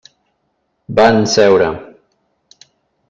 Van seure.